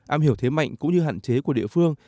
am hiểu thế mạnh cũng như hạn chế của địa phương